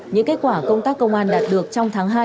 những kết quả công tác công an đạt được trong tháng hai